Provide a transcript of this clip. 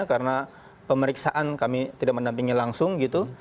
karena pemeriksaan kami tidak mendampingi langsung gitu